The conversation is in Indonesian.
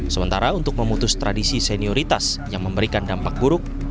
sementara untuk memutus tradisi senioritas yang memberikan dampak buruk